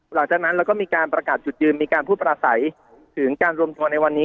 หลังจากนั้นแล้วก็มีการประกาศจุดยืนมีการพูดประสัยถึงการรวมตัวในวันนี้